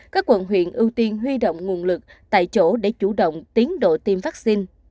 các quận huyện ưu tiên huy động nguồn lực tại chỗ để chủ động tiến độ tiêm vaccine